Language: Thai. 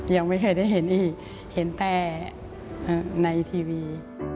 ยังไม่เคยได้เห็นอีกเห็นแต่ในทีวี